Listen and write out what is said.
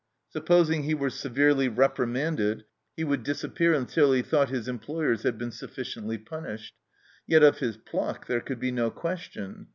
Supposing he were severely repri manded, he would disappear until he thought his employers had been sufficiently punished. Yet of his pluck there could be no question.